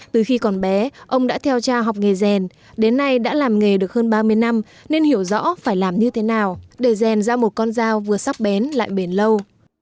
từ khi còn bé ông đã theo cha học nghề rèn đến nay đã làm nghề được hơn ba mươi năm nên hiểu rõ phải làm như thế nào để rèn ra một con dao vừa sắc bén lại bền lâu